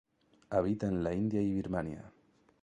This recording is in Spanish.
Habita en la India y Birmania.